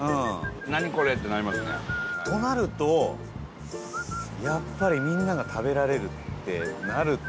何これ？ってなりますねとなると、やっぱりみんなが食べられるってなると。